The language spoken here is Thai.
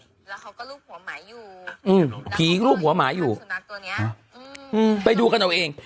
แล้วเขาก็ลูกหัวหมาอยู่ผีลูกหัวหมาอยู่ไปดูกันเอาเอง